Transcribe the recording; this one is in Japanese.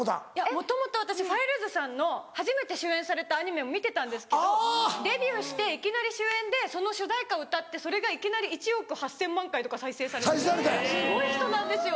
もともと私ファイルーズさんの初めて主演されたアニメを見てたんですけどデビューしていきなり主演でその主題歌を歌ってそれがいきなり１億８０００万回とか再生されてるすごい人なんですよ。